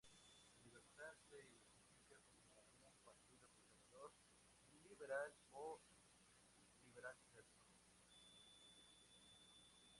La Libertad se identificaba como un partido conservador-liberal o liberal clásico.